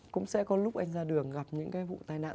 cũng sẽ có lúc anh ra đường gặp những cái vụ tai nạn